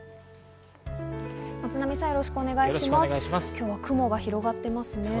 今日は雲が広がっていますね。